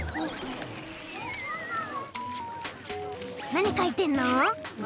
なにかいてんの？